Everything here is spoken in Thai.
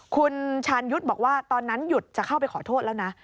คุณชาญยุทธ์บอกว่าตอนนั้นหยุดจะเข้าไปขอโทษแล้วนะ